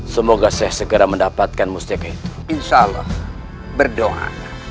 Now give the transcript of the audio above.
semoga segera mendapatkan mustika itu insyaallah berdoa